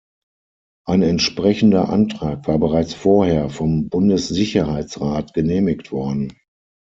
Ein entsprechender Antrag war bereits vorher vom Bundessicherheitsrat genehmigt worden.